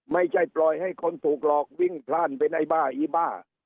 ไม่ใช่ปล่อยให้คนถูกหลอกวิ่งพล่านเป็นไอ้บ้าอีบ้า